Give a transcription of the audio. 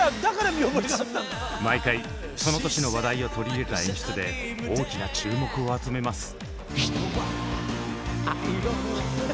毎回その年の話題を取り入れた演出で大きな注目を集めます。